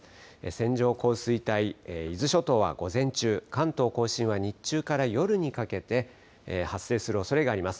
線状降水帯、伊豆諸島は午前中、関東甲信は日中から夜にかけて、発生するおそれがあります。